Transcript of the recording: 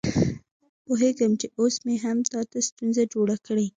پوهېږم چې اوس مې هم تا ته ستونزه جوړه کړې.